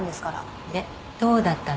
でどうだったの？